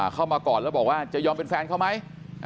เข้ามาก่อนแล้วบอกว่าจะยอมเป็นแฟนเขาไหม